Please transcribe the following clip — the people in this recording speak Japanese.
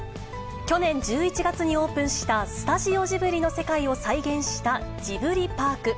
去年１１月にオープンしたスタジオジブリの世界を再現したジブリパーク。